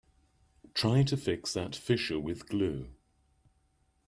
Try to fix that fissure with glue.